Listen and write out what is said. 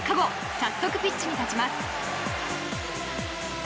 早速ピッチに立ちます。